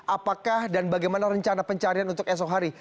apakah dan bagaimana rencana pencarian untuk esok hari